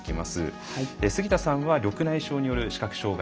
杉田さんは緑内障による視覚障害があります。